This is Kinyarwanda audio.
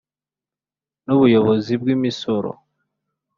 n Ubuyobozi bw Imisoro